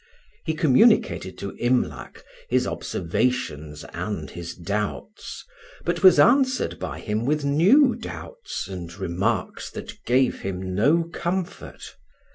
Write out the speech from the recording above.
He communicated to Imlac his observations and his doubts, but was answered by him with new doubts and remarks that gave him no comfort.